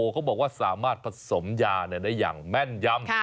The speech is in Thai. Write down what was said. เขาบอกว่าสามารถผสมยาได้อย่างแม่นยำ